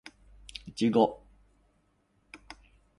いちご